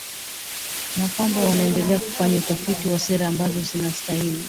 na kwamba wanaendelea kufanya utafiti wa sera ambazo zitastahili